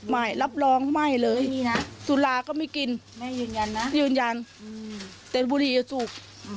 ไม่รับรองไม่เลยสุลาก็ไม่กินยืนยันแต่บุรีจะสูบ